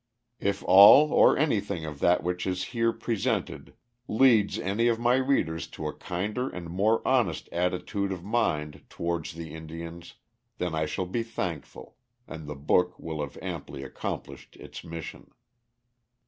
If all or anything of that which is here presented leads any of my readers to a kinder and more honest attitude of mind towards the Indians, then I shall be thankful, and the book will have amply accomplished its mission.